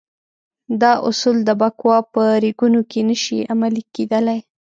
دا اصول د بکواه په ریګونو کې نه شي عملي کېدلای.